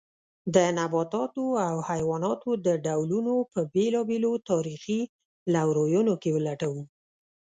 د نباتاتو او حیواناتو د ډولونو په بېلابېلو تاریخي لورینو کې ولټوو.